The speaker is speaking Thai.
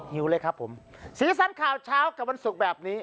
หิวเลยครับผมสีสันข่าวเช้ากับวันศุกร์แบบนี้